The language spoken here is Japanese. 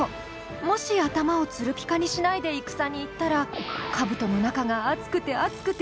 もし頭をツルピカにしないで戦に行ったら兜の中が熱くて熱くて大変なことになるのよ